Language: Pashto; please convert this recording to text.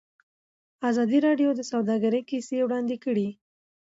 ازادي راډیو د سوداګري کیسې وړاندې کړي.